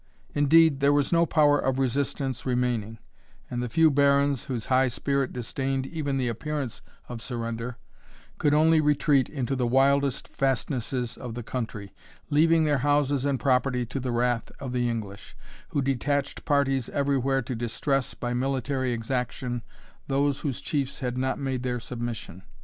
Indeed, there was no power of resistance remaining; and the few barons, whose high spirit disdained even the appearance of surrender, could only retreat into the wildest fastnesses of the country, leaving their houses and property to the wrath of the English, who detached parties everywhere to distress, by military exaction, those whose chiefs had not made their submission.